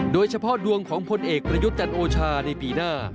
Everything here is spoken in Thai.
โดยเฉพาะดวงของพลเอกประยุทธ์จันทร์โอชาในปีหน้า